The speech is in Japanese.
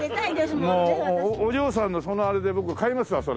もうお嬢さんのそのあれで僕買いますわそれ。